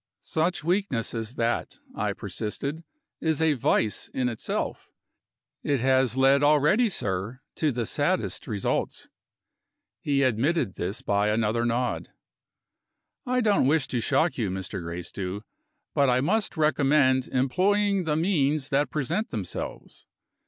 "Such weakness as that," I persisted, "is a vice in itself. It has led already, sir, to the saddest results." He admitted this by another nod. "I don't wish to shock you, Mr. Gracedieu; but I must recommend employing the means that present themselves.